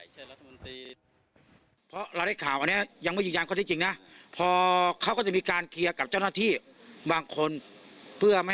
โดยว่าพวกรณีนี้สำเร็จด้วยกว่าแล้ว